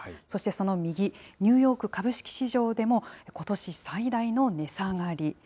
そしてその右、ニューヨーク株式市場でも、ことし最大の値下がり。